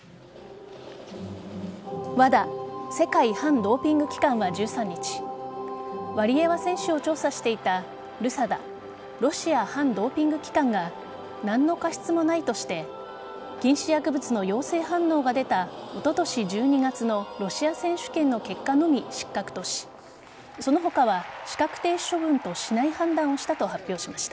ＷＡＤＡ＝世界反ドーピング機関は１３日ワリエワ選手を調査していたＲＵＳＡＤＡ＝ロシア反ドーピング機関が何の過失もないとして禁止薬物の陽性反応が出たおととし１２月のロシア選手権の結果のみ失格としその他は資格停止処分としない判断をしたと発表しました。